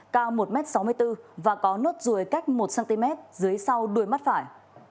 cao một m sáu mươi bốn và có nốt ruồi cách một cm dưới sau đuôi mắt phải